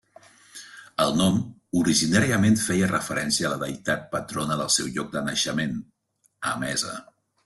El nom originàriament feia referència a la deïtat patrona del seu lloc de naixement, Emesa.